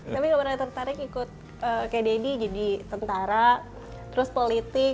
tapi gak pernah tertarik ikut kayak deddy jadi tentara terus politik